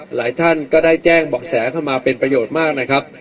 หลายท่านก็ได้แจ้งเบาะแสเข้ามาเป็นประโยชน์มากนะครับ